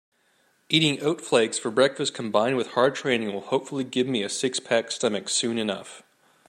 Eating oat flakes for breakfast combined with hard training will hopefully give me a six-pack stomach soon enough.